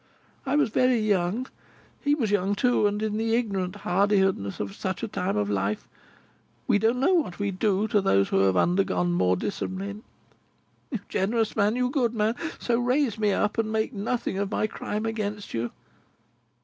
I was very young, he was young too, and in the ignorant hardihood of such a time of life we don't know what we do to those who have undergone more discipline. You generous man! You good man! So to raise me up and make nothing of my crime against you!"